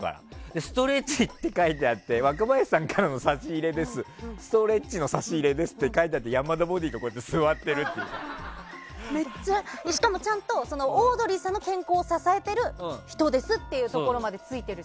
ストレッチって書いてあって若林さんからのストレッチの差し入れですって書いてあってしかもちゃんとオードリーさんの健康を支えてる人ですっていうところまでついているし。